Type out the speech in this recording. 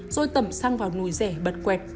rồi tẩm xăng vào núi rẻ bật quẹt